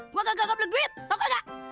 gue gak gagal beli duit tau gak